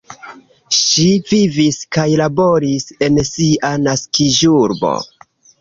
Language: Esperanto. Ŝi vivis kaj laboris en sia naskiĝurbo.